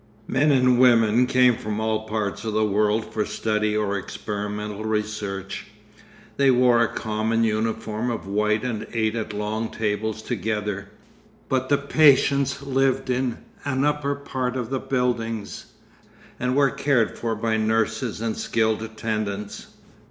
Men and women came from all parts of the world for study or experimental research. They wore a common uniform of white and ate at long tables together, but the patients lived in an upper part of the buildings, and were cared for by nurses and skilled attendants....